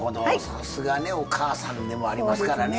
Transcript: さすがねお母さんでもありますからね。